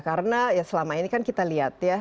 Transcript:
karena selama ini kan kita lihat ya